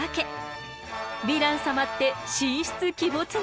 ヴィラン様って神出鬼没なの。